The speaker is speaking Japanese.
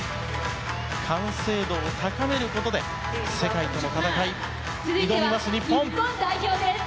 完成度を高めることで世界との戦いに挑みます、日本。